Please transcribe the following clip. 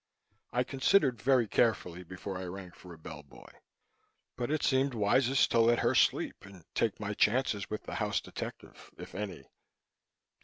I considered very carefully before I rang for a bellboy, but it seemed wisest to let her sleep and take my chances with the house detective, if any.